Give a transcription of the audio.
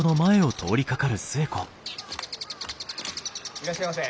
いらっしゃいませ。